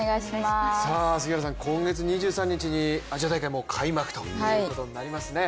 今月２３日にアジア大会開幕ということになりますね。